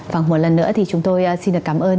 và một lần nữa thì chúng tôi xin được cảm ơn